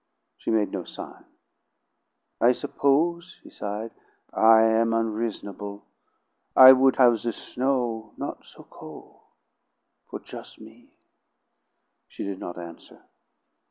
She made no sign. "I suppose," he sighed, "I am unriz'nable; I would have the snow not so col' for jus' me." She did not answer.